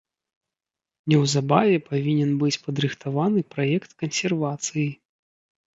Неўзабаве павінен быць падрыхтаваны праект кансервацыі.